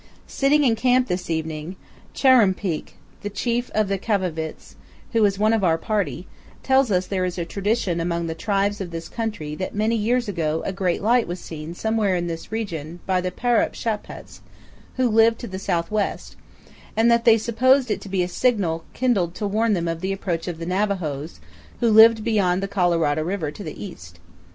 Sitting in camp this evening, Chuar'ruumpeak, the chief of the Kai'vavits, who is one of our party, tells us there is a tradition among the tribes of this country that many years ago a great light was seen somewhere in this region by the Paru'shapats, who lived to the southwest, and that they supposed it to be a signal kindled to warn them of the approach of the Navajos, who lived beyond the Colorado River to the east.